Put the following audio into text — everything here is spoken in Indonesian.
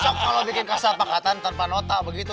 soalnya kalau bikin kesepakatan terpan otak begitu